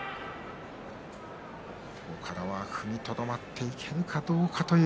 ここからは踏みとどまっていけるかどうかという。